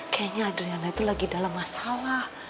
kayaknya adriana itu lagi dalam masalah